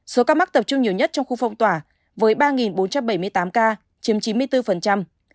số ca mắc tập trung nhiều nhất trong khu phong tỏa với ba bốn trăm bảy mươi tám ca chiếm chín mươi bốn